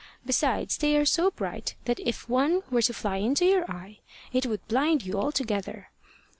Besides, they are so bright that if one were to fly into your eye, it would blind you altogether.'